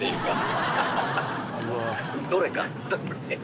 どれか。